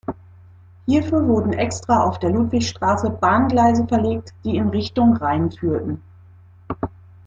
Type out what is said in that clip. Hierfür wurden extra auf der Ludwigsstraße Bahngleise verlegt, die in Richtung Rhein führten.